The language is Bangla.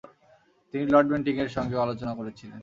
তিনি লর্ড বেন্টিকের সঙ্গেও আলোচনা করেছিলেন।